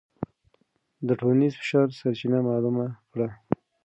د ټولنیز فشار سرچینه معلومه کړه.